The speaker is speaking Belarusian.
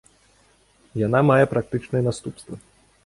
Яна мае практычныя наступствы.